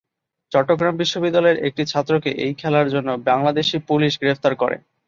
চট্টগ্রাম বিশ্ববিদ্যালয়ের একটি ছাত্রকে এই খেলার জন্য বাংলাদেশী পুলিশ গ্রেফতার করে।